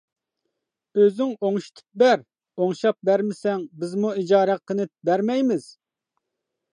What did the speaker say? -ئۆزۈڭ ئوڭشىتىپ بەر، ئوڭشاپ بەرمىسەڭ، بىزمۇ ئىجارە ھەققىنى بەرمەيمىز.